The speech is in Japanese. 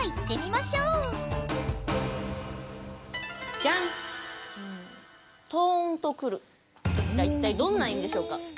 さあ一体どんな意味でしょうか？